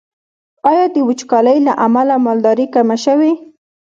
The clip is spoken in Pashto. آیا د وچکالۍ له امله مالداري کمه شوې؟